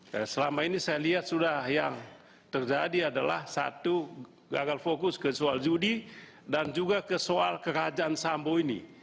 karena selama ini saya lihat sudah yang terjadi adalah satu gagal fokus ke soal judi dan juga ke soal kerajaan sambu ini